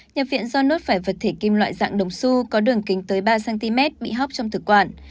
nhập viện do nốt phải vật thể kim loại dạng đồng su có đường kính tới ba cm bị hóc trong thực quản